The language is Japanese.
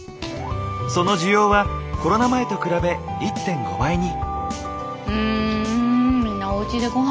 その需要はコロナ前と比べ１．５倍に。